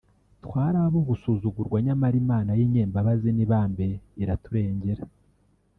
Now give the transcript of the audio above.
twari abo gusuzugurwa nyamara Imana y’inyembabazi n’ibambe iraturengera